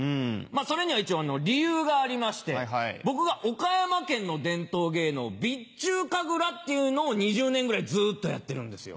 それには一応理由がありまして僕が岡山県の伝統芸能備中神楽っていうのを２０年ぐらいずっとやってるんですよ。